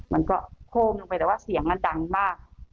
มันก็โคมลงไปแต่ว่าเสียงมันดังมาก